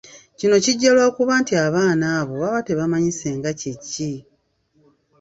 Kino kijja lwakuba nti abaana abo baba tebamanyi ssenga kye ki.